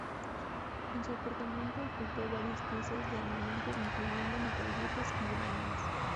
En su apartamento ocultó varias piezas de armamento, incluyendo metralletas y granadas.